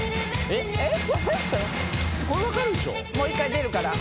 もう１回出るから